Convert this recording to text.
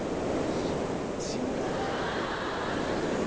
志村だー。